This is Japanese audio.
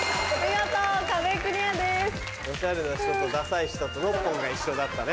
オシャレな人とダサい人とノッポンが一緒だったね。